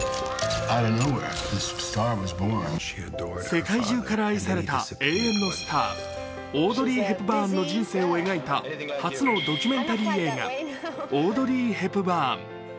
世界中から愛された永遠のスターオードリー・ヘプバーンの人生を描いた初のドキュメンタリー映画「オードリー・ヘプバーン」。